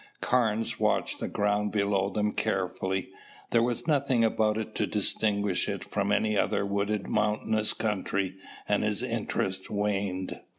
Carnes watched the ground below them carefully. There was nothing about it to distinguish it from any other wooded mountainous country and his interest waned.